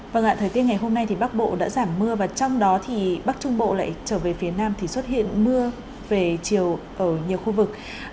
vâng ạ thời tiết ngày hôm nay thì bắc bộ đã giảm mưa và trong đó thì bắc trung bộ lại trở về phía nam thì xuất hiện mưa về chiều ở nhiều khu vực